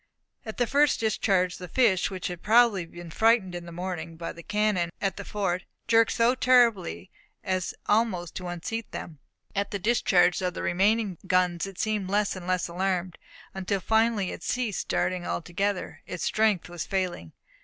At the first discharge the fish, which had probably been frightened in the morning by the cannon at the fort, jerked so terribly as almost to unseat them. At the discharge of the remaining guns it seemed less and less alarmed, until finally it ceased darting altogether; its strength was failing.